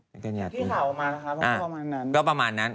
ที่ข่าวออกมาแล้วคะเพราะว่าประมาณนั้น